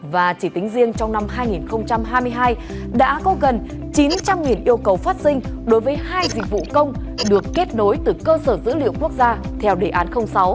và chỉ tính riêng trong năm hai nghìn hai mươi hai đã có gần chín trăm linh yêu cầu phát sinh đối với hai dịch vụ công được kết nối từ cơ sở dữ liệu quốc gia theo đề án sáu